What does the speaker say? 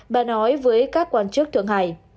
bà nói với các quan chức thượng hải